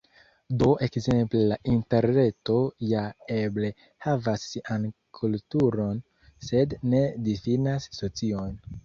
Do ekzemple la Interreto ja eble havas sian kulturon, sed ne difinas socion.